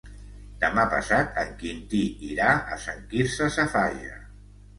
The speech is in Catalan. Demà passat en Quintí irà a Sant Quirze Safaja.